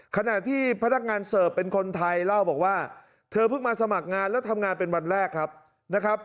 ขณะที่พนักงานเสิร์ฟเป็นคนไทยเล่าบอกว่าเธอเพิ่งมาสมัครงานแล้วทำงานเป็นวันแรกครับนะครับ